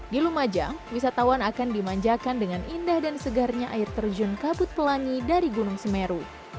di lumajang wisatawan akan dimanjakan dengan indah dan segarnya air terjun kabut pelangi dari gunung semeru